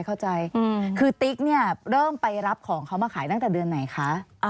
คือติ๊กเริ่มไปรับของเขามาขายตั้งแต่เดือนไหนค่ะ